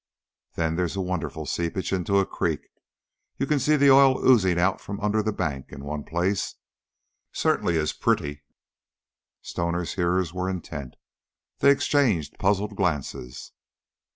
Then there's a wonderful seepage into the creek. You can see the oil oozing out from under the bank, in one place. Certainly is pretty." Stoner's hearers were intent; they exchanged puzzled glances.